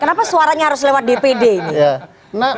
kenapa suaranya harus lewat dpd ini